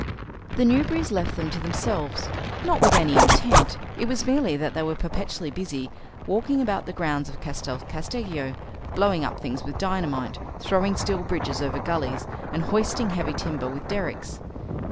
The Newberrys left them to themselves; not with any intent; it was merely that they were perpetually busy walking about the grounds of Castel Casteggio, blowing up things with dynamite, throwing steel bridges over gullies, and hoisting heavy timber with derricks.